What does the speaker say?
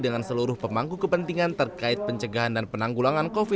dengan seluruh pemangku kepentingan terkait pencegahan dan penanggulangan covid sembilan belas